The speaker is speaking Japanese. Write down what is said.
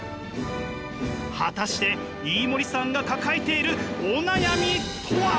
果たして飯森さんが抱えているお悩みとは！？